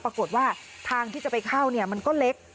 ปรากฏว่าทางที่จะไปเข้ามันก็เล็ก